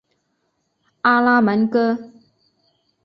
阿拉门戈。